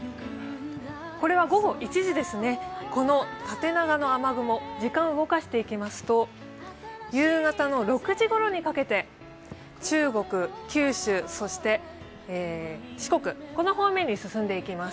これは午後１時ですね、縦長の雨雲、時間を動かしていきますと、夕方の６時ごろにかけて、中国、九州、そして四国、この方面に進んでいきます。